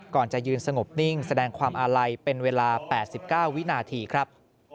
ก่อนจะยืนสงบนิ่งแสดงความอาลัยเป็นเวลา๘๙วินาทีครับ